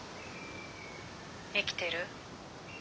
生きてる？